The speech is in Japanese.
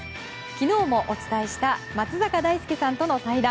昨日もお伝えした松坂大輔さんとの対談。